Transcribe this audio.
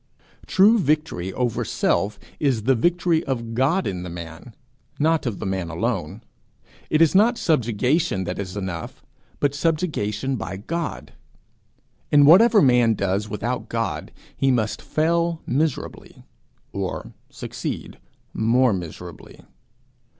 True victory over self is the victory of God in the man, not of the man alone. It is not subjugation that is enough, but subjugation by God. In whatever man does without God, he must fail miserably or succeed more miserably.